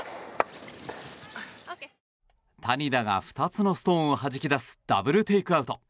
谷田が２つのストーンをはじき出すダブルテイクアウト。